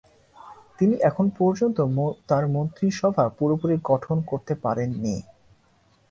তিনি এখন পর্যন্ত তাঁর মন্ত্রিসভা পুরোপুরি গঠন করতে পারেননি।